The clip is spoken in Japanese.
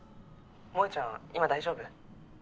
萌ちゃん今大丈夫？